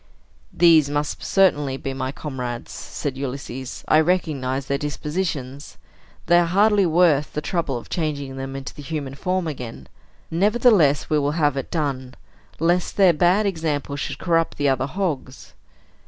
"These must certainly be my comrades," said Ulysses. "I recognize their dispositions. They are hardly worth the trouble of changing them into the human form again. Nevertheless, we will have it done, lest their bad example should corrupt the other hogs.